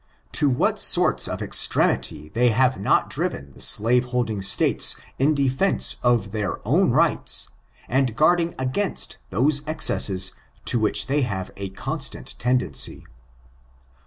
To what sorts of extremity have they not driven the slave holding States in defence of their own rights, and guarding against those excesses to which they have a constant tendency."